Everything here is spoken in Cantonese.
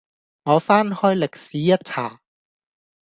我翻開歷史一查，